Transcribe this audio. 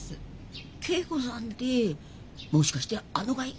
桂子さんてもしかしてあのがい？